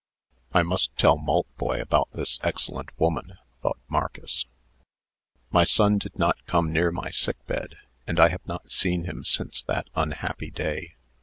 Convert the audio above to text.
("I must tell Maltboy about this excellent woman," thought Marcus,) "My son did not come near my sickbed, and I have not seen him since that unhappy day.